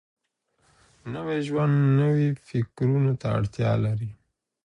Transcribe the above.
نوی ژوند نويو فکرونو ته اړتيا لري.